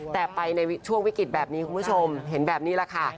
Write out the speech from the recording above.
แต่ไปในช่วงวิกฤตแบบนี้คุณผู้ชมเห็นแบบนี้แหละค่ะ